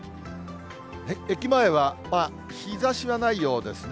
駅前は、日ざしはないようですね。